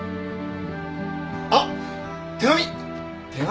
あっ手紙！